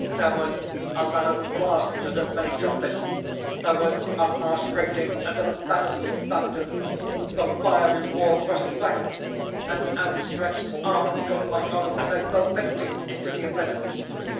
There was a loud blast as of many trumpets! There was a harsh grating as of a thousand thunders! The fiery walls rushed back! An outstretched arm caught my own as I fell, fainting, into the abyss.